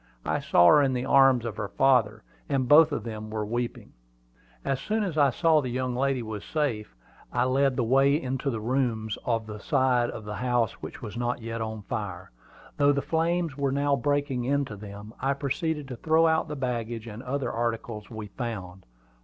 I saw her in the arms of her father, and both of them were weeping. As soon as I saw that the young lady was safe, I led the way into the rooms on the side of the house which was not yet on fire, though the flames were now breaking into them, and proceeded to throw out the baggage and other articles we found.